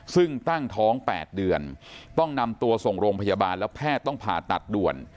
ซึ่งตั้งท้อง๘เดือนต้องนำตัวส่งโรงพยาบาลแล้วแพทย์ต้องผ่าตัดด่วน